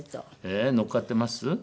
えっ乗っかってます？